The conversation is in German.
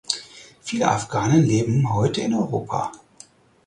Viele Afghanen leben heute in Europa.